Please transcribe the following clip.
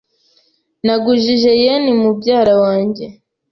Nagujije yen mubyara wanjye .